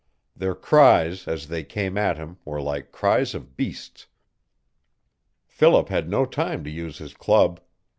Their cries as they came at him were like the cries of beasts. Philip had no time to use his club.